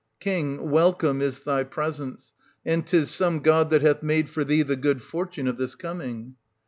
King, welcome is thy presence ; and 'tis some god that hath made for thee the good fortune of this coming.